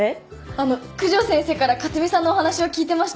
あの九条先生から勝見さんのお話を聞いてました。